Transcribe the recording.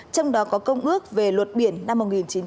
trong đó có công ước về luật biển năm một nghìn chín trăm tám mươi hai